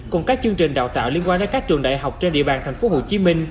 cùng các chương trình đào tạo liên quan đến các trường đại học trên địa bàn tp hcm